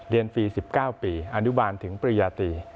เรียนฟรี๑๙ปีอนุบาลถึงปริญญาติ